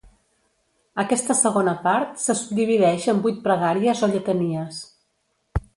Aquesta segona part se subdivideix en vuit pregàries o lletanies.